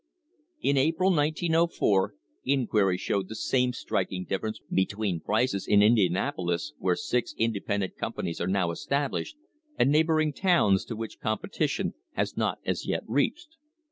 In April, 1904, inquiry showed the same striking difference between prices in Indianapolis, where six independent companies are now established, and neighbouring towns to which competition has not as yet reached.